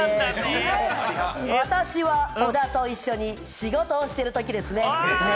私は小田と一緒に仕事をしているときですね。